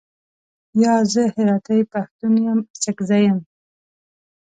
یا، زه هراتۍ پښتون یم، اڅګزی یم.